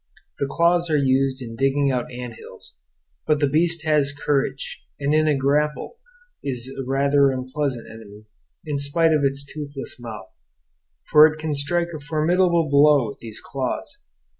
The claws are used in digging out ant hills; but the beast has courage, and in a grapple is a rather unpleasant enemy, in spite of its toothless mouth, for it can strike a formidable blow with these claws.